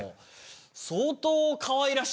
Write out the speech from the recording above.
相当。